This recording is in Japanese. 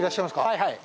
はいはい。